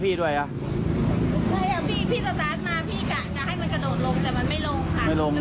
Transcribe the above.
พี่กะเลยจอดแต่มันจะไม่ลงค่ะ